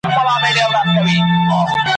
کارګه وویل خبره دي منمه `